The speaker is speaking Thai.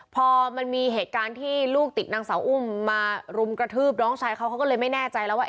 พอมันมีเหตุการณ์ที่ลูกติดนางสาวอุ้มมารุมกระทืบน้องชายเขาเขาก็เลยไม่แน่ใจแล้วว่า